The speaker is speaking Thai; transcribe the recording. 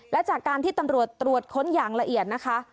และจากการที่ตำรวจตรวจค้นอย่างละเอียดนะคะ